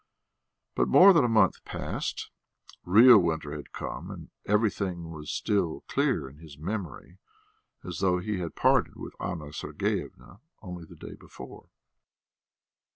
But more than a month passed, real winter had come, and everything was still clear in his memory as though he had parted with Anna Sergeyevna only the day before.